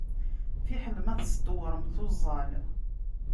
Fiḥel ma testewrem tuẓẓal.